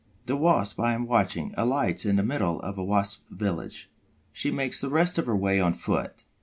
The Wasp I am watching alights in the middle of a Wasp village. She makes the rest of her way on foot.